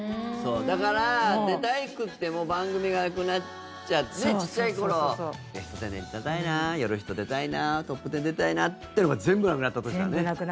だから、出たくても番組がなくなっちゃって小さい頃「ベストテン」出たいな「夜ヒット」出たいな「トップテン」出たいなっていうのが全部なくなった時だね。